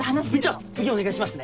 次お願いしますね！